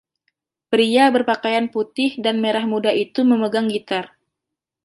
Pria berpakaian putih dan merah muda itu memegang gitar.